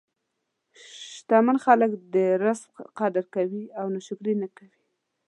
شتمن خلک د رزق قدر کوي او ناشکري نه کوي.